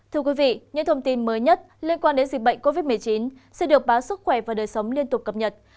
thưa quý vị những thông tin mới nhất liên quan đến dịch bệnh covid một mươi chín sẽ được báo sức khỏe và đời sống liên tục cập nhật